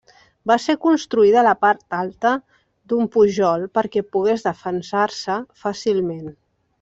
Va ser construïda a la part alta d'un pujol perquè pogués defensar-se fàcilment.